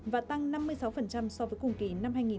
và tăng năm mươi sáu so với cùng kỳ